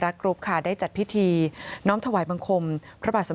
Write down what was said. กรุ๊ปค่ะได้จัดพิธีน้อมถวายบังคมพระบาทสม